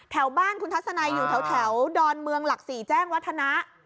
แถวบ้านคุณทัศนัยอยู่แถวดอนเมืองหลัก๔แจ้งวัฒนะ